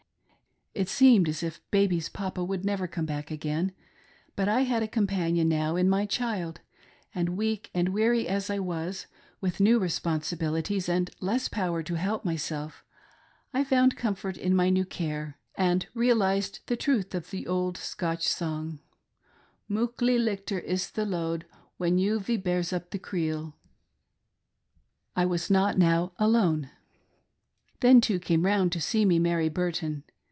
It seemed as if baby's papa would never come back again, but I had a companion now in my child ; and weak and weary as I was, with new re sponsibilities and less power to help myself, I found comfort in my new care, and realised the truth of the old Scotch song : "Muckle lichter is the load, When Juve bears up the creel." I was not now alone. Then, too, came round to see me, Mary Burton.